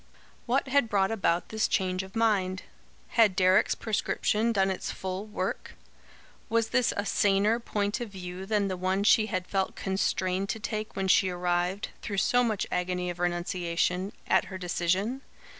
What had brought about this change of mind? Had Deryck's prescription done its full work? Was this a saner point of view than the one she had felt constrained to take when she arrived, through so much agony of renunciation, at her decision?